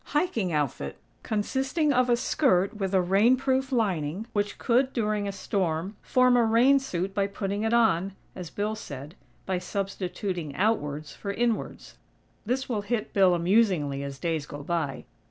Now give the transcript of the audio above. hiking outfit, consisting of a skirt with a rain proof lining, which could, during a storm, form a rain suit by putting it on, as Bill said, "by substituting outwards for inwards." (This will hit Bill amusingly, as days go by!)